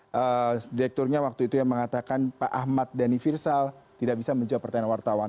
jadi direkturnya waktu itu yang mengatakan pak ahmad dhani firsal tidak bisa menjawab pertanyaan wartawan